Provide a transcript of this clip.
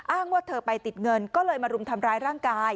ว่าเธอไปติดเงินก็เลยมารุมทำร้ายร่างกาย